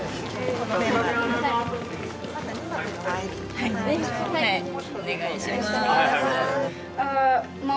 はいお願いします。